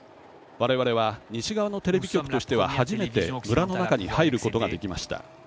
われわれは西側のテレビ局としては初めて村の中に入ることができました。